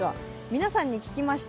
皆さんに聞きました。